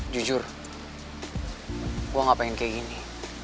jujur gue gak pengen kayak gini